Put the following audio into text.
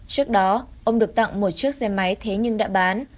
trước đó ông được tặng một chiếc xe máy thế nhưng đã bán